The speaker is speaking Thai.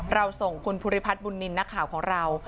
ส่งคุณภูริพัฒน์บุญนินทร์นักข่าวของเรา